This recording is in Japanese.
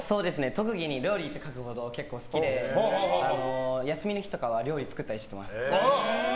特技に料理って書くほど好きで休みの日とかは料理作ったりしています。